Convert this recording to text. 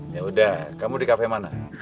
yaudah kamu di kafe mana